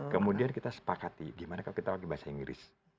kemudian kita sepakati gimana kalau kita pakai bahasa inggris